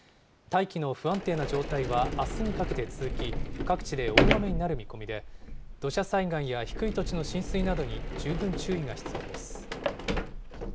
大気の不安定な状態はあすにかけて続き、各地で大雨になる見込みで、土砂災害や低い土地の浸水などに十分注意が必要です。